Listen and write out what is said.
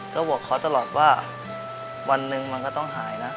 ก็บอกเขาตลอดว่าวันหนึ่งมันก็ต้องหายนะ